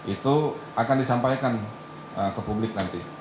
itu akan disampaikan ke publik nanti